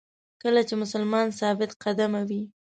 کله چې مسلمان ثابت قدمه وي.